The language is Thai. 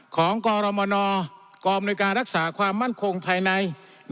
ของกรมนกรมนการรักษาความมั่นคงภายใน